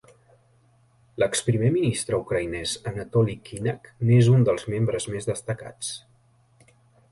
L'exprimer ministre ucraïnès Anatoliy Kinakh n'és un dels membres més destacats.